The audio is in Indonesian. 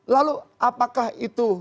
lalu apakah itu